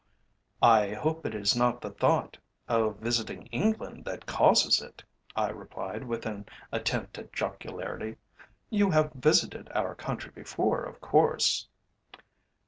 "I hope it is not the thought of visiting England that causes it?" I replied with an attempt at jocularity. "You have visited our country before, of course?"